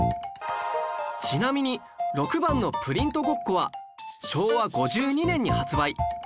ちなみに６番のプリントゴッコは昭和５２年に発売